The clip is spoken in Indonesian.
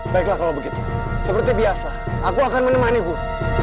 baiklah kalau begitu seperti biasa aku akan menemani guru